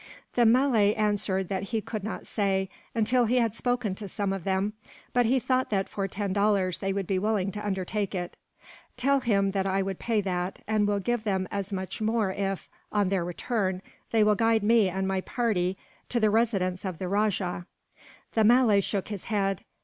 The Malay answered that he could not say, until he had spoken to some of them; but he thought that for ten dollars they would be willing to undertake it. "Tell him that I would pay that, and will give them as much more if, on their return, they will guide me and my party to the residence of the rajah." The Malay shook his head.